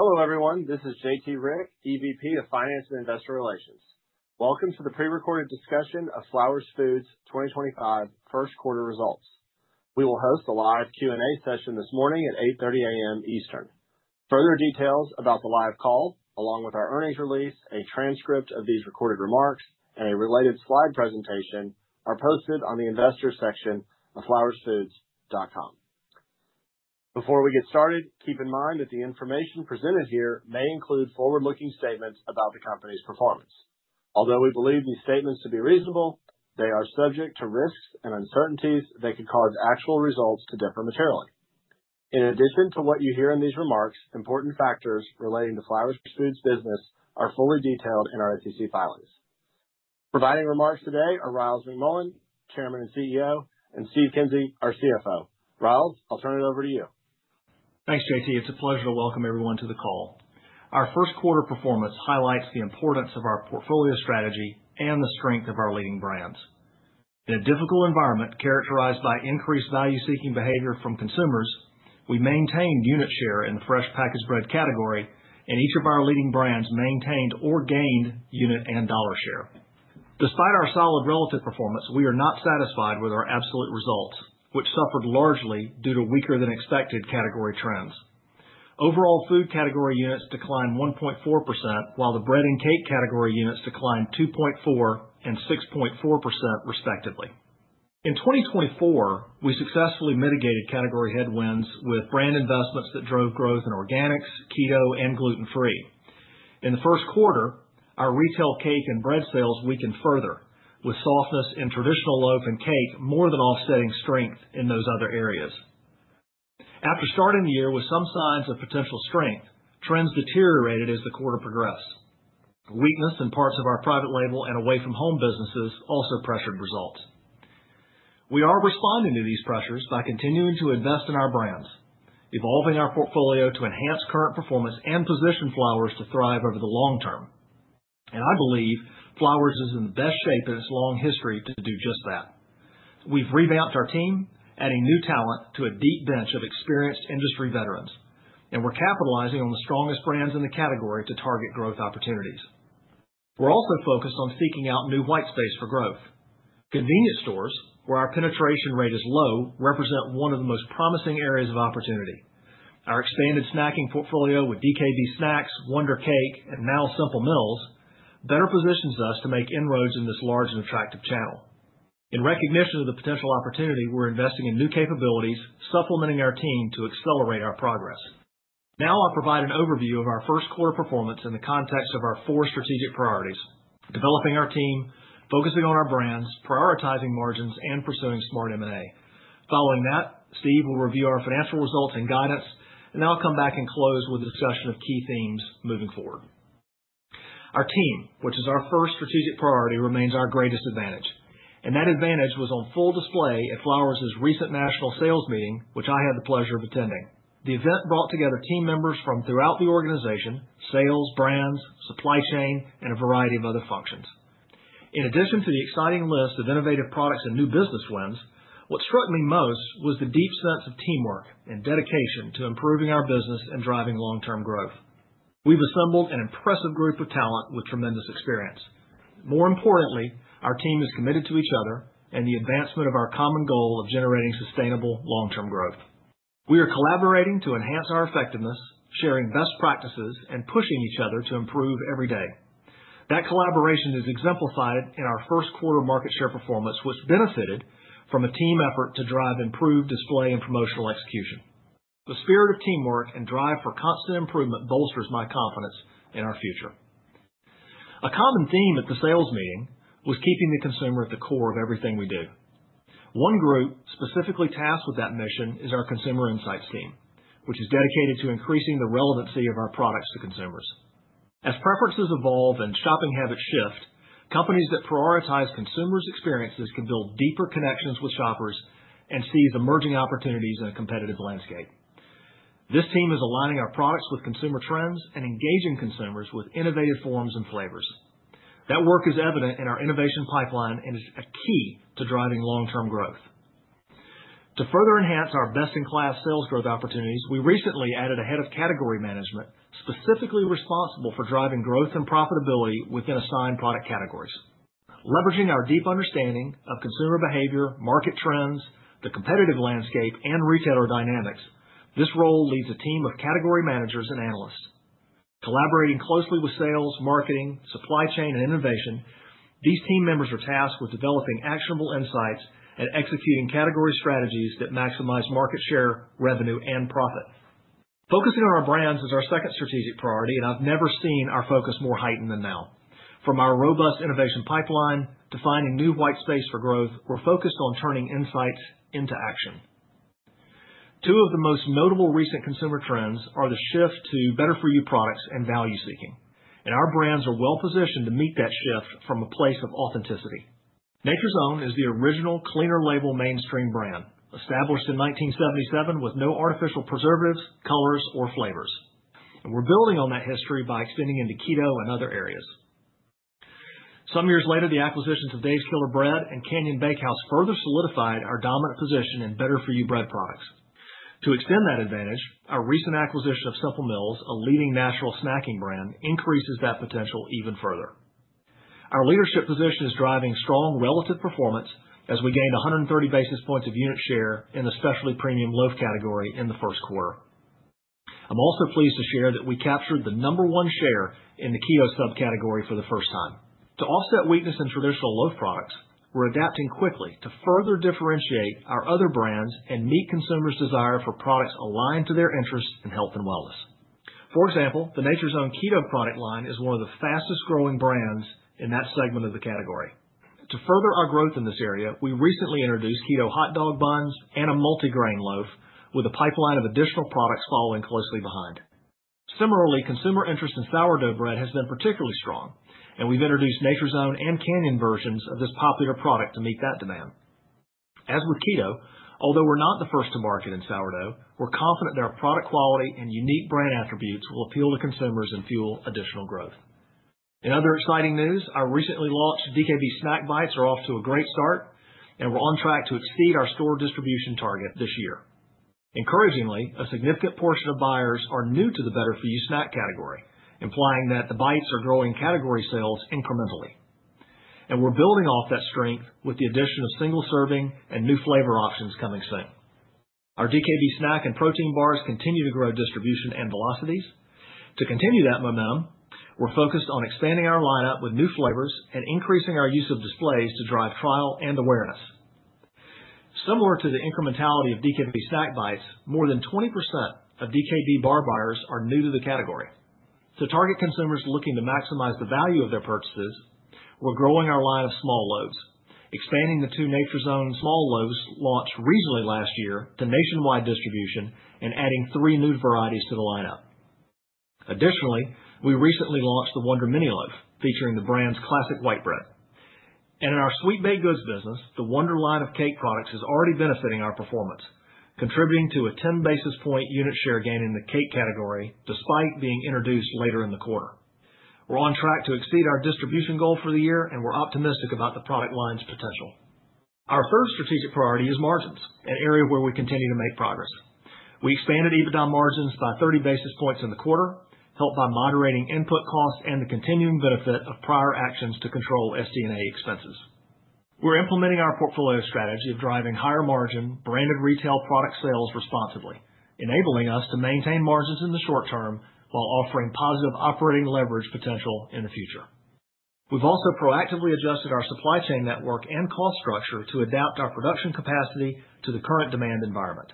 Hello, everyone. This is J.T. Rieck, EVP of Finance and Investor Relations. Welcome to the prerecorded discussion of Flowers Foods' 2025 first-quarter results. We will host a live Q&A session this morning at 8:30 A.M. Eastern. Further details about the live call, along with our earnings release, a transcript of these recorded remarks, and a related slide presentation, are posted on the investors' section of flowersfoods.com. Before we get started, keep in mind that the information presented here may include forward-looking statements about the company's performance. Although we believe these statements to be reasonable, they are subject to risks and uncertainties that could cause actual results to differ materially. In addition to what you hear in these remarks, important factors relating to Flowers Foods' business are fully detailed in our SEC filings. Providing remarks today are Ryals McMullian, Chairman and CEO, and Steve Kinsey, our CFO. Ryals, I'll turn it over to you. Thanks, J.T. It's a pleasure to welcome everyone to the call. Our first-quarter performance highlights the importance of our portfolio strategy and the strength of our leading brands. In a difficult environment characterized by increased value-seeking behavior from consumers, we maintained unit share in the fresh packaged bread category, and each of our leading brands maintained or gained unit and dollar share. Despite our solid relative performance, we are not satisfied with our absolute results, which suffered largely due to weaker-than-expected category trends. Overall food category units declined 1.4%, while the bread and cake category units declined 2.4% and 6.4%, respectively. In 2024, we successfully mitigated category headwinds with brand investments that drove growth in organics, keto, and gluten-free. In the first quarter, our retail cake and bread sales weakened further, with softness in traditional loaf and cake more than offsetting strength in those other areas. After starting the year with some signs of potential strength, trends deteriorated as the quarter progressed. Weakness in parts of our private label and away-from-home businesses also pressured results. We are responding to these pressures by continuing to invest in our brands, evolving our portfolio to enhance current performance and position Flowers to thrive over the long term. I believe Flowers is in the best shape in its long history to do just that. We have revamped our team, adding new talent to a deep bench of experienced industry veterans, and we are capitalizing on the strongest brands in the category to target growth opportunities. We are also focused on seeking out new white space for growth. Convenience stores, where our penetration rate is low, represent one of the most promising areas of opportunity. Our expanded snacking portfolio with DKB Snacks, Wonder Cake, and now Simple Mills better positions us to make inroads in this large and attractive channel. In recognition of the potential opportunity, we're investing in new capabilities, supplementing our team to accelerate our progress. Now I'll provide an overview of our first-quarter performance in the context of our four strategic priorities: developing our team, focusing on our brands, prioritizing margins, and pursuing smart M&A. Following that, Steve will review our financial results and guidance, and then I'll come back and close with a discussion of key themes moving forward. Our team, which is our first strategic priority, remains our greatest advantage. That advantage was on full display at Flowers' recent national sales meeting, which I had the pleasure of attending. The event brought together team members from throughout the organization: sales, brands, supply chain, and a variety of other functions. In addition to the exciting list of innovative products and new business wins, what struck me most was the deep sense of teamwork and dedication to improving our business and driving long-term growth. We've assembled an impressive group of talent with tremendous experience. More importantly, our team is committed to each other and the advancement of our common goal of generating sustainable long-term growth. We are collaborating to enhance our effectiveness, sharing best practices, and pushing each other to improve every day. That collaboration is exemplified in our first-quarter market share performance, which benefited from a team effort to drive improved display and promotional execution. The spirit of teamwork and drive for constant improvement bolsters my confidence in our future. A common theme at the sales meeting was keeping the consumer at the core of everything we do. One group specifically tasked with that mission is our consumer insights team, which is dedicated to increasing the relevancy of our products to consumers. As preferences evolve and shopping habits shift, companies that prioritize consumers' experiences can build deeper connections with shoppers and seize emerging opportunities in a competitive landscape. This team is aligning our products with consumer trends and engaging consumers with innovative forms and flavors. That work is evident in our innovation pipeline and is a key to driving long-term growth. To further enhance our best-in-class sales growth opportunities, we recently added a Head of Category Management specifically responsible for driving growth and profitability within assigned product categories. Leveraging our deep understanding of consumer behavior, market trends, the competitive landscape, and retailer dynamics, this role leads a team of category managers and analysts. Collaborating closely with sales, marketing, supply chain, and innovation, these team members are tasked with developing actionable insights and executing category strategies that maximize market share, revenue, and profit. Focusing on our brands is our second strategic priority, and I have never seen our focus more heightened than now. From our robust innovation pipeline to finding new white space for growth, we are focused on turning insights into action. Two of the most notable recent consumer trends are the shift to better-for-you products and value-seeking. Our brands are well-positioned to meet that shift from a place of authenticity. Nature's Own is the original cleaner label mainstream brand, established in 1977 with no artificial preservatives, colors, or flavors. We are building on that history by extending into keto and other areas. Some years later, the acquisitions of Dave's Killer Bread and Canyon Bakehouse further solidified our dominant position in better-for-you bread products. To extend that advantage, our recent acquisition of Simple Mills, a leading natural snacking brand, increases that potential even further. Our leadership position is driving strong relative performance as we gained 130 basis points of unit share in the specialty premium loaf category in the first quarter. I'm also pleased to share that we captured the number one share in the keto subcategory for the first time. To offset weakness in traditional loaf products, we're adapting quickly to further differentiate our other brands and meet consumers' desire for products aligned to their interests in health and wellness. For example, the Nature's Own keto product line is one of the fastest-growing brands in that segment of the category. To further our growth in this area, we recently introduced keto hot dog buns and a multigrain loaf, with a pipeline of additional products following closely behind. Similarly, consumer interest in sourdough bread has been particularly strong, and we've introduced Nature's Own and Canyon versions of this popular product to meet that demand. As with keto, although we're not the first to market in sourdough, we're confident that our product quality and unique brand attributes will appeal to consumers and fuel additional growth. In other exciting news, our recently launched DKB Snack Bites are off to a great start, and we're on track to exceed our store distribution target this year. Encouragingly, a significant portion of buyers are new to the better-for-you snack category, implying that the bites are growing category sales incrementally. We are building off that strength with the addition of single serving and new flavor options coming soon. Our DKB snack and protein bars continue to grow distribution and velocities. To continue that momentum, we're focused on expanding our lineup with new flavors and increasing our use of displays to drive trial and awareness. Similar to the incrementality of DKB Snack Bites, more than 20% of DKB bar buyers are new to the category. To target consumers looking to maximize the value of their purchases, we're growing our line of small loaves, expanding the two Nature's Own small loaves launched regionally last year to nationwide distribution and adding three new varieties to the lineup. Additionally, we recently launched the Wonder Mini Loaf, featuring the brand's classic white bread. In our sweet baked goods business, the Wonder line of cake products is already benefiting our performance, contributing to a 10 basis point unit share gain in the cake category, despite being introduced later in the quarter. We're on track to exceed our distribution goal for the year, and we're optimistic about the product line's potential. Our third strategic priority is margins, an area where we continue to make progress. We expanded EBITDA margins by 30 basis points in the quarter, helped by moderating input costs and the continuing benefit of prior actions to control SD&A expenses. We're implementing our portfolio strategy of driving higher margin branded retail product sales responsibly, enabling us to maintain margins in the short term while offering positive operating leverage potential in the future. We've also proactively adjusted our supply chain network and cost structure to adapt our production capacity to the current demand environment.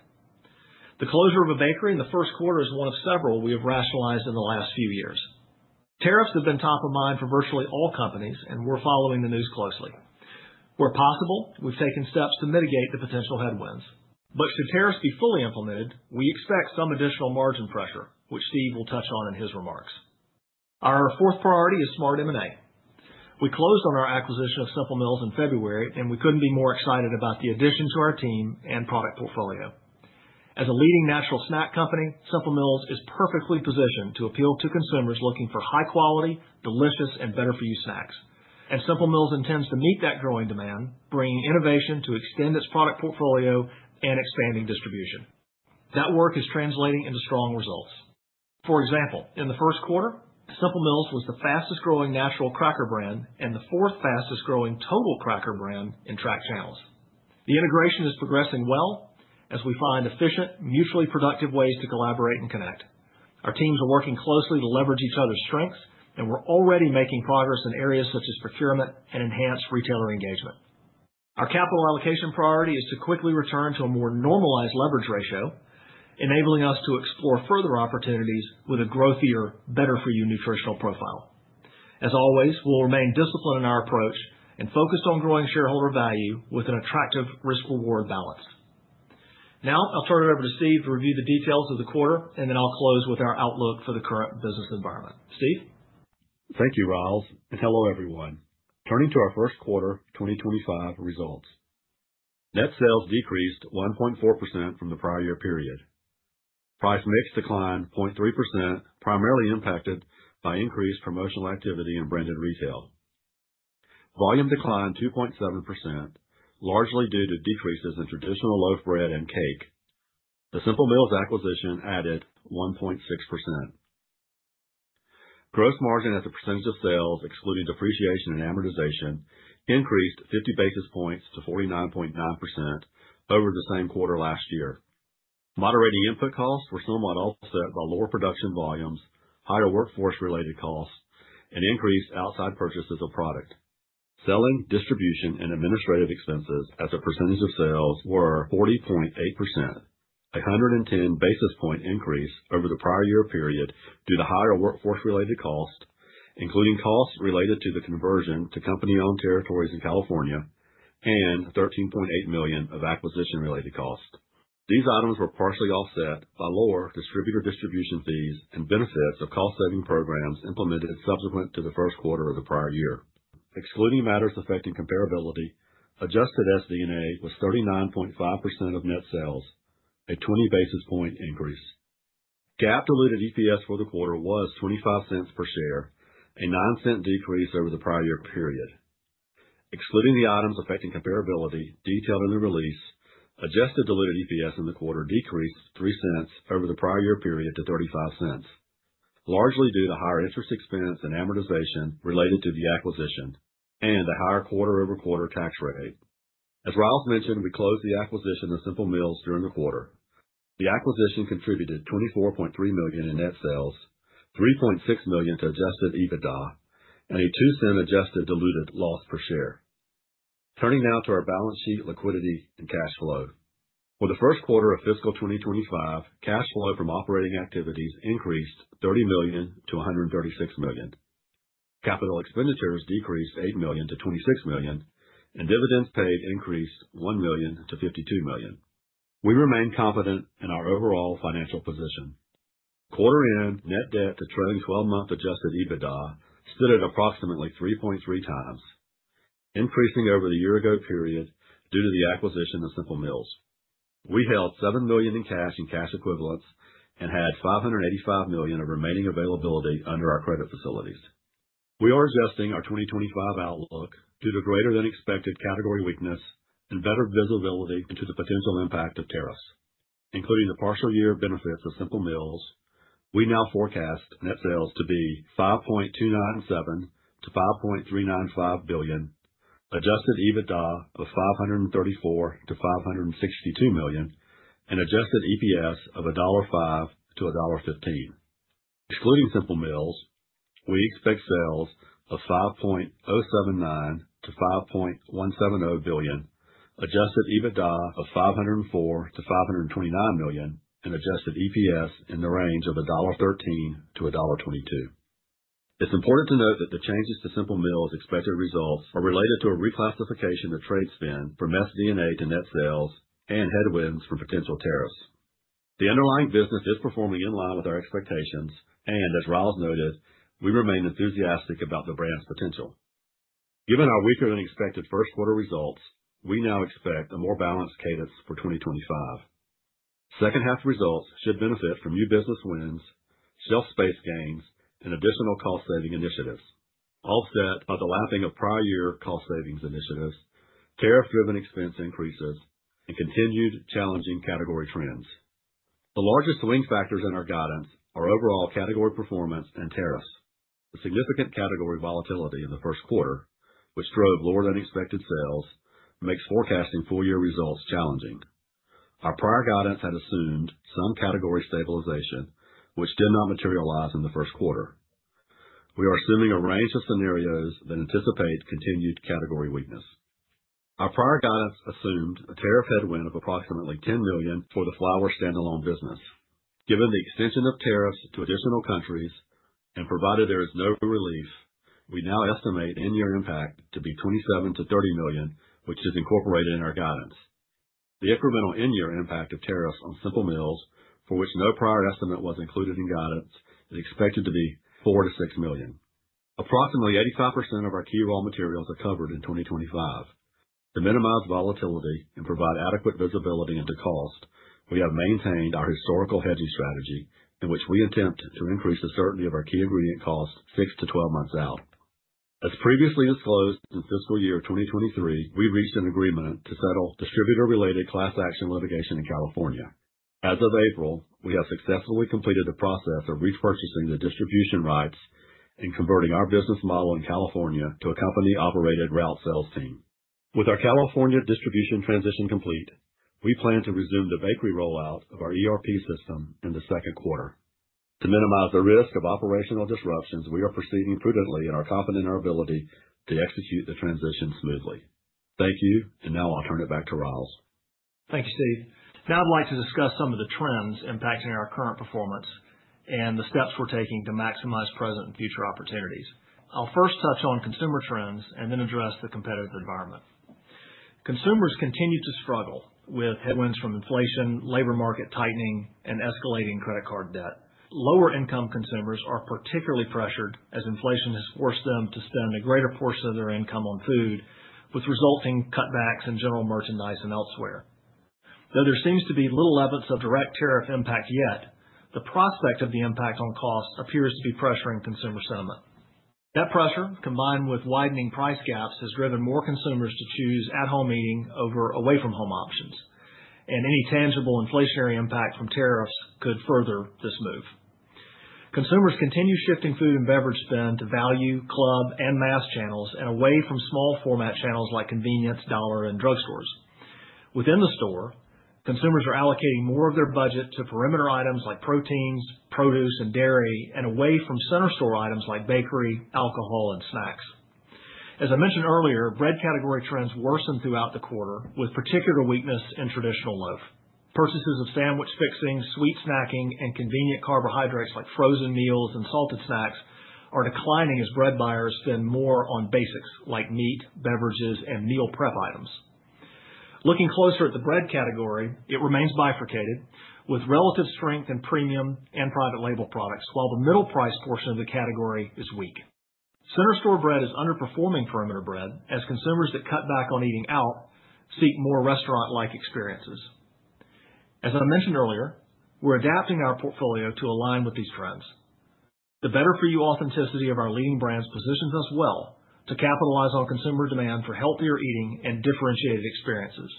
The closure of a bakery in the first quarter is one of several we have rationalized in the last few years. Tariffs have been top of mind for virtually all companies, and we're following the news closely. Where possible, we've taken steps to mitigate the potential headwinds. Should tariffs be fully implemented, we expect some additional margin pressure, which Steve will touch on in his remarks. Our fourth priority is smart M&A. We closed on our acquisition of Simple Mills in February, and we couldn't be more excited about the addition to our team and product portfolio. As a leading natural snack company, Simple Mills is perfectly positioned to appeal to consumers looking for high-quality, delicious, and better-for-you snacks. Simple Mills intends to meet that growing demand, bringing innovation to extend its product portfolio and expanding distribution. That work is translating into strong results. For example, in the first quarter, Simple Mills was the fastest-growing natural cracker brand and the fourth fastest-growing total cracker brand in track channels. The integration is progressing well as we find efficient, mutually productive ways to collaborate and connect. Our teams are working closely to leverage each other's strengths, and we're already making progress in areas such as procurement and enhanced retailer engagement. Our capital allocation priority is to quickly return to a more normalized leverage ratio, enabling us to explore further opportunities with a growthier, better-for-you nutritional profile. As always, we'll remain disciplined in our approach and focused on growing shareholder value with an attractive risk-reward balance. Now I'll turn it over to Steve to review the details of the quarter, and then I'll close with our outlook for the current business environment. Steve? Thank you, Ryals. And hello, everyone. Turning to our first quarter 2025 results, net sales decreased 1.4% from the prior year period. Price mix declined 0.3%, primarily impacted by increased promotional activity in branded retail. Volume declined 2.7%, largely due to decreases in traditional loaf bread and cake. The Simple Mills acquisition added 1.6%. Gross margin at the percentage of sales, excluding depreciation and amortization, increased 50 basis points to 49.9% over the same quarter last year. Moderating input costs were somewhat offset by lower production volumes, higher workforce-related costs, and increased outside purchases of product. Selling, distribution, and administrative expenses at the percentage of sales were 40.8%, a 110 basis point increase over the prior year period due to higher workforce-related costs, including costs related to the conversion to company-owned territories in California and $13.8 million of acquisition-related costs. These items were partially offset by lower distributor distribution fees and benefits of cost-saving programs implemented subsequent to the first quarter of the prior year. Excluding matters affecting comparability, adjusted SD&A was 39.5% of net sales, a 20 basis point increase. GAAP-diluted EPS for the quarter was $0.25 per share, a $0.09 decrease over the prior year period. Excluding the items affecting comparability detailed in the release, adjusted diluted EPS in the quarter decreased $0.03 over the prior year period to $0.35, largely due to higher interest expense and amortization related to the acquisition and the higher quarter-over-quarter tax rate. As Ryals mentioned, we closed the acquisition of Simple Mills during the quarter. The acquisition contributed $24.3 million in net sales, $3.6 million to adjusted EBITDA, and a $0.02 adjusted diluted loss per share. Turning now to our balance sheet, liquidity, and cash flow. For the first quarter of fiscal 2025, cash flow from operating activities increased $30 million to $136 million. Capital expenditures decreased $8 million to $26 million, and dividends paid increased $1 million to $52 million. We remain confident in our overall financial position. Quarter-end net debt to trailing 12-month adjusted EBITDA stood at approximately 3.3 times, increasing over the year-ago period due to the acquisition of Simple Mills. We held $7 million in cash and cash equivalents and had $585 million of remaining availability under our credit facilities. We are adjusting our 2025 outlook due to greater-than-expected category weakness and better visibility into the potential impact of tariffs. Including the partial year benefits of Simple Mills, we now forecast net sales to be $5.297 billion-$5.395 billion, adjusted EBITDA of $534 million-$562 million, and adjusted EPS of $1.05-$1.15. Excluding Simple Mills, we expect sales of $5.079 billion-$5.170 billion, adjusted EBITDA of $504 million-$529 million, and adjusted EPS in the range of $1.13-$1.22. It's important to note that the changes to Simple Mills' expected results are related to a reclassification of trade spend from SD&A to net sales and headwinds from potential tariffs. The underlying business is performing in line with our expectations, and as Ryals noted, we remain enthusiastic about the brand's potential. Given our weaker-than-expected first quarter results, we now expect a more balanced cadence for 2025. Second half results should benefit from new business wins, shelf space gains, and additional cost-saving initiatives, offset by the lapping of prior year cost-savings initiatives, tariff-driven expense increases, and continued challenging category trends. The largest swing factors in our guidance are overall category performance and tariffs. The significant category volatility in the first quarter, which drove lower-than-expected sales, makes forecasting full-year results challenging. Our prior guidance had assumed some category stabilization, which did not materialize in the first quarter. We are assuming a range of scenarios that anticipate continued category weakness. Our prior guidance assumed a tariff headwind of approximately $10 million for the Flowers standalone business. Given the extension of tariffs to additional countries and provided there is no relief, we now estimate end-year impact to be $27 million-$30 million, which is incorporated in our guidance. The incremental end-year impact of tariffs on Simple Mills, for which no prior estimate was included in guidance, is expected to be $4 million-$6 million. Approximately 85% of our key raw materials are covered in 2025. To minimize volatility and provide adequate visibility into cost, we have maintained our historical hedging strategy, in which we attempt to increase the certainty of our key ingredient costs 6-12 months out. As previously disclosed in fiscal year 2023, we reached an agreement to settle distributor-related class action litigation in California. As of April, we have successfully completed the process of repurchasing the distribution rights and converting our business model in California to a company-operated route sales team. With our California distribution transition complete, we plan to resume the bakery rollout of our ERP system in the second quarter. To minimize the risk of operational disruptions, we are proceeding prudently and are confident in our ability to execute the transition smoothly. Thank you, and now I'll turn it back to Ryals. Thank you, Steve. Now I'd like to discuss some of the trends impacting our current performance and the steps we're taking to maximize present and future opportunities. I'll first touch on consumer trends and then address the competitive environment. Consumers continue to struggle with headwinds from inflation, labor market tightening, and escalating credit card debt. Lower-income consumers are particularly pressured as inflation has forced them to spend a greater portion of their income on food, with resulting cutbacks in general merchandise and elsewhere. Though there seems to be little evidence of direct tariff impact yet, the prospect of the impact on costs appears to be pressuring consumer sentiment. That pressure, combined with widening price gaps, has driven more consumers to choose at-home eating over away-from-home options, and any tangible inflationary impact from tariffs could further this move. Consumers continue shifting food and beverage spend to value, club, and mass channels and away from small-format channels like convenience, dollar, and drug stores. Within the store, consumers are allocating more of their budget to perimeter items like proteins, produce, and dairy, and away from center store items like bakery, alcohol, and snacks. As I mentioned earlier, bread category trends worsened throughout the quarter, with particular weakness in traditional loaf. Purchases of sandwich fixings, sweet snacking, and convenient carbohydrates like frozen meals and salted snacks are declining as bread buyers spend more on basics like meat, beverages, and meal prep items. Looking closer at the bread category, it remains bifurcated, with relative strength in premium and private label products, while the middle price portion of the category is weak. Center store bread is underperforming perimeter bread as consumers that cut back on eating out seek more restaurant-like experiences. As I mentioned earlier, we're adapting our portfolio to align with these trends. The better-for-you authenticity of our leading brands positions us well to capitalize on consumer demand for healthier eating and differentiated experiences.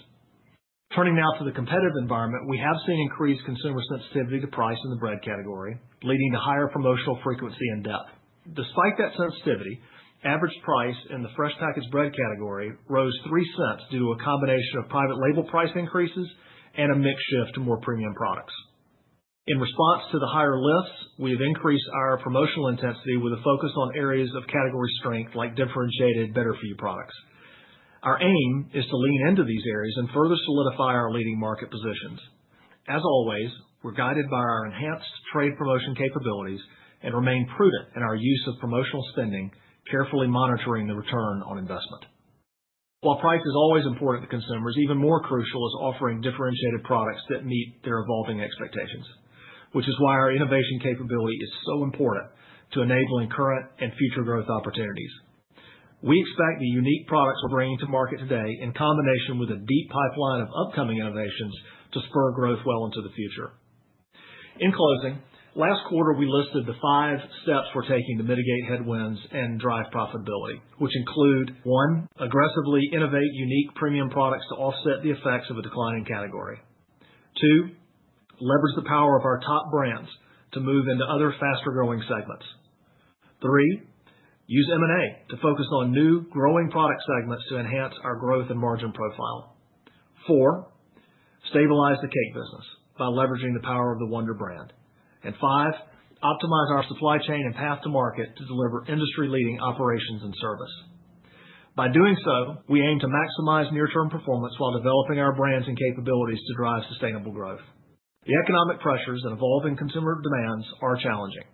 Turning now to the competitive environment, we have seen increased consumer sensitivity to price in the bread category, leading to higher promotional frequency and depth. Despite that sensitivity, average price in the fresh packaged bread category rose $0.03 due to a combination of private label price increases and a mix shift to more premium products. In response to the higher lifts, we have increased our promotional intensity with a focus on areas of category strength like differentiated better-for-you products. Our aim is to lean into these areas and further solidify our leading market positions. As always, we're guided by our enhanced trade promotion capabilities and remain prudent in our use of promotional spending, carefully monitoring the return on investment. While price is always important to consumers, even more crucial is offering differentiated products that meet their evolving expectations, which is why our innovation capability is so important to enabling current and future growth opportunities. We expect the unique products we're bringing to market today, in combination with a deep pipeline of upcoming innovations, to spur growth well into the future. In closing, last quarter we listed the five steps we're taking to mitigate headwinds and drive profitability, which include: 1) Aggressively innovate unique premium products to offset the effects of a declining category; 2) Leverage the power of our top brands to move into other faster-growing segments; 3) Use M&A to focus on new, growing product segments to enhance our growth and margin profile; 4) Stabilize the cake business by leveraging the power of the Wonder brand; and 5) Optimize our supply chain and path to market to deliver industry-leading operations and service. By doing so, we aim to maximize near-term performance while developing our brands and capabilities to drive sustainable growth. The economic pressures and evolving consumer demands are challenging,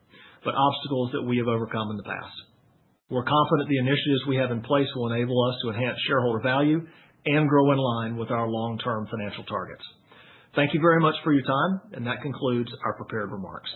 but obstacles that we have overcome in the past. We're confident the initiatives we have in place will enable us to enhance shareholder value and grow in line with our long-term financial targets. Thank you very much for your time, and that concludes our prepared remarks.